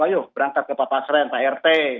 ayo berangkat ke pak pasren pak rt